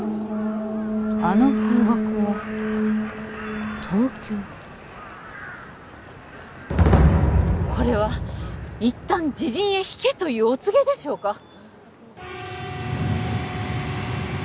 あの方角は東京これは一旦自陣へ退けというお告げでしょうか